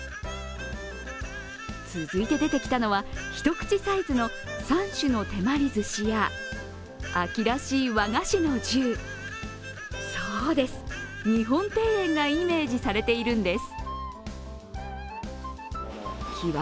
続いて出てきたのは、一口サイズの３種の手鞠ずしや秋らしい和菓子の重、そうです、日本庭園がイメージされているんです。